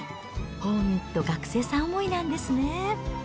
ほんと、学生さん思いなんですね。